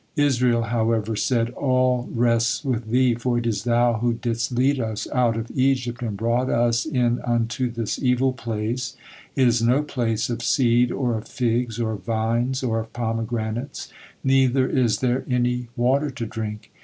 Israel, however, said: "All rests with thee, for it is thou who didst lead us out of Egypt and brought 'us in unto this evil place; it is no place of seed or of figs, or of vines, or of pomegranates; neither is there any water to drink.'